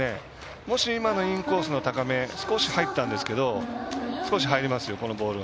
もし今のインコースの高め少し入ったんですけど少し入りますよ。